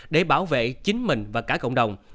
để bảo vệ chính mình và cả cộng đồng